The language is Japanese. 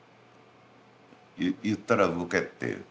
言ったら動けって。